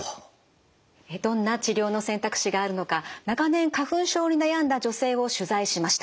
どんな治療の選択肢があるのか長年花粉症に悩んだ女性を取材しました。